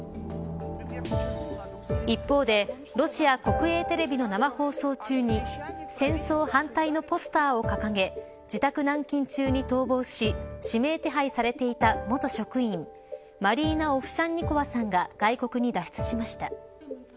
一方でロシア国営テレビの生放送中に戦争反対のポスターを掲げ自宅軟禁中に逃亡し指名手配されていた元職員マリーナ・オフシャンニコワさんが外国に脱出しました。